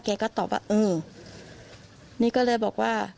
ก็ตอบว่าเออนี่ก็เลยบอกว่า